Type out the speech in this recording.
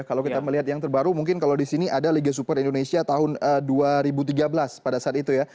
kalau kita melihat yang terbaru mungkin kalau di sini ada liga super indonesia tahun dua ribu tiga belas pada saat itu ya